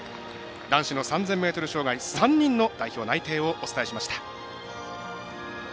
男子３０００ｍ障害３人の代表内定をお伝えしました。